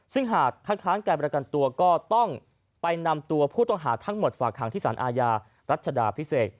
ซึ่งหากคัดค้านการประกันตัวก็ต้องไปนำตัวผู้ต้องหาทั้งหมดฝากหางที่สารอาญารัชดาพิเศษ